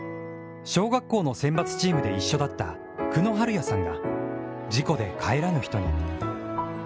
小学校の選抜チームで一緒だった久野晴也さんが事故で帰らぬ人に。